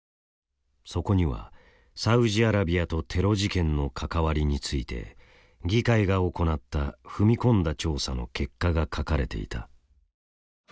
そこにはサウジアラビアとテロ事件の関わりについて議会が行った踏み込んだ調査の結果が書かれていた。